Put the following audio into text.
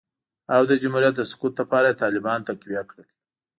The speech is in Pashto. او د جمهوریت د سقوط لپاره یې طالبان تقویه کړل